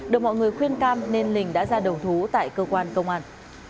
được mọi người khuyên cam nên linh đã ra đầu thú tại cơ quan công an